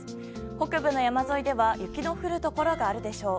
北部の山沿いでは雪の降るところがあるでしょう。